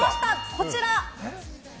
こちら。